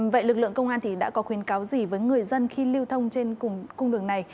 vậy lực lượng công an thì đã có khuyến cáo gì với người dân khi lưu thông trên cùng cung đường này